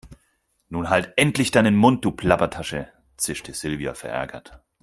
Nun halt endlich deinen Mund, du Plappertasche, zischte Silvia verärgert.